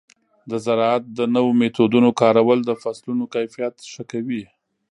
د زراعت د نوو میتودونو کارول د فصلونو کیفیت ښه کوي.